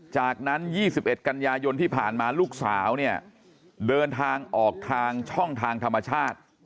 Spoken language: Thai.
จากนั้น๒๑กันยายนที่ผ่านมาลูกสาวเนี่ยเดินทางออกทางช่องทางธรรมชาติ